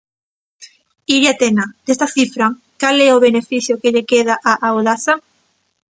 Iria Tena, desta cifra, cal é o beneficio que lle queda a Audasa?